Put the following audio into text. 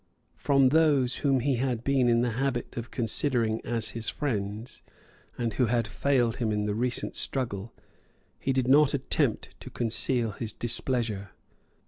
From those whom he had been in the habit of considering as his friends, and who had failed him in the recent struggle, he did not attempt to conceal his displeasure.